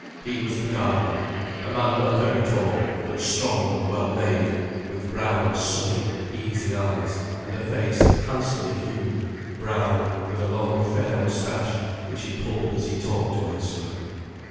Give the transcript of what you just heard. He was the gardener, a man not very tall, but strong and well made, with brown, sunny, easy eyes and a face handsomely hewn, brown, with a long fair moustache which he pulled as he talked to Ursula.